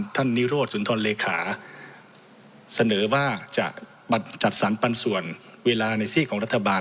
นิโรธสุนทรเลขาเสนอว่าจะจัดสรรปันส่วนเวลาในซีกของรัฐบาล